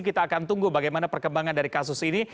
kita akan tunggu bagaimana perkembangan dari kasus ini